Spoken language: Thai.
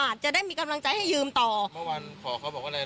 อาจจะได้มีกำลังใจให้ยืมต่อเมื่อวานขอเขาบอกว่าอะไร